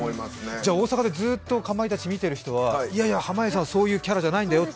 じゃ、大阪でずっとかまいたちを見てる人は、いやいや濱家さんってそういう人じゃないんだよって。